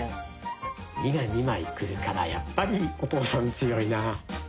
「２」が２枚くるからやっぱりお父さん強いな。